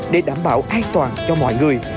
để đảm bảo an toàn cho mọi người